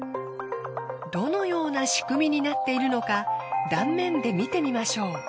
どのような仕組みになっているのか断面で見てみましょう。